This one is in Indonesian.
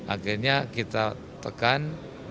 akhirnya kita tekan